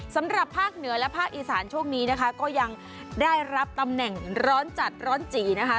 สำหรับภาคเหนือและภาคอีสานช่วงนี้นะคะก็ยังได้รับตำแหน่งร้อนจัดร้อนจีนะคะ